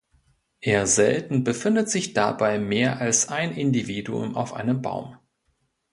Eher selten befindet sich dabei mehr als ein Individuum auf einem Baum.